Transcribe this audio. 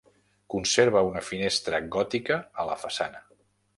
Conserva una finestra gòtica a la façana.